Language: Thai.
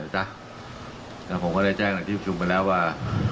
แล้วผมก็จะแจ้งหลังจากที่ยุบชมไว้แล้วว่า